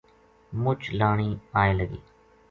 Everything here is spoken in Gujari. مُچ لانی آئے لگی